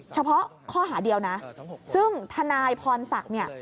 เฉพาะข้อหาเดียวนะซึ่งทนายพรศักดิ์เนี่ย